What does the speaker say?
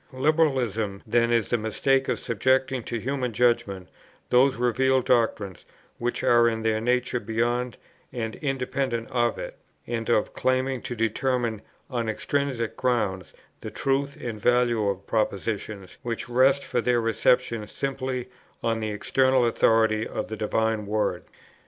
Liberalism then is the mistake of subjecting to human judgment those revealed doctrines which are in their nature beyond and independent of it, and of claiming to determine on intrinsic grounds the truth and value of propositions which rest for their reception simply on the external authority of the Divine Word.